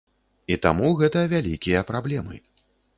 І таму гэта вялікія праблемы.